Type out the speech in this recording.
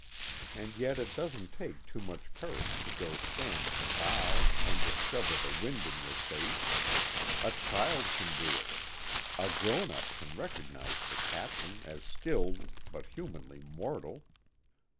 And yet it doesn't take too much courage to go stand at the bow and discover the wind in your face: a child can do it; a grown up can recognize the captain as skilled but humanly mortal.